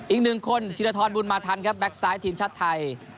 อีกหนึ่งคนธีรทรบุญมาทันครับแก๊กซ้ายทีมชาติไทย